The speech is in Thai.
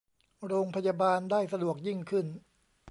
โรงพยาบาลได้สะดวกยิ่งขึ้น